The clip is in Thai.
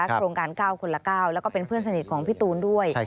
โครงการ๙คนละ๙แล้วก็เป็นเพื่อนสนิทของพี่ตูนด้วย